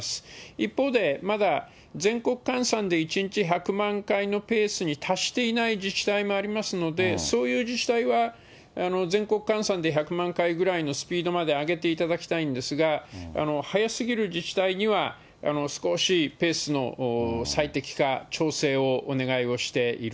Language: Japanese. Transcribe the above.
一方で、まだ全国換算で１日１００万回のペースに達していない自治体もありますので、そういう自治体は全国換算で１００万回ぐらいのスピードまで上げていただきたいんですが、速すぎる自治体には少しペースの最適化、調整をお願いをしている